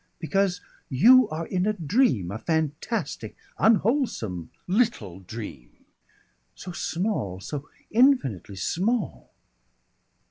Because you are in a dream, a fantastic, unwholesome little dream. So small, so infinitely small!